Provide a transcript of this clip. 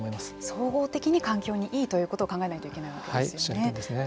総合的に環境にいいということを考えないといけないわけですよね。